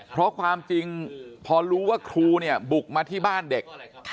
เพราะความจริงพอรู้ว่าครูเนี่ยบุกมาที่บ้านเด็ก